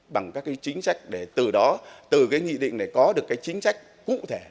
bằng các chính sách để từ đó từ nghị định này có được chính sách cụ thể